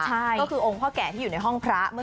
ใช่ก็คือองค์พ่อแก่ที่อยู่ในห้องพระ